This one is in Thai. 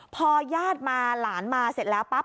พอญาติมาหลานมาเสร็จแล้วปั๊บ